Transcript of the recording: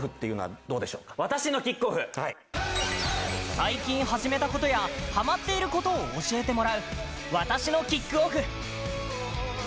最近始めたことやハマっていることを教えてもらう「私のＫＩＣＫＯＦＦ」。